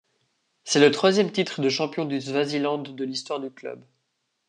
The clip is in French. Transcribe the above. C'est le troisième titre de champion du Swaziland de l'histoire du club.